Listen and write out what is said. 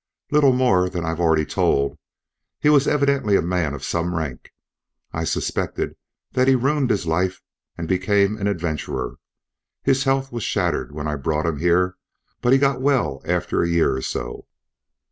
"Little more than I've already told. He was evidently a man of some rank. I suspected that he ruined his life and became an adventurer. His health was shattered when I brought him here, but he got well after a year or so.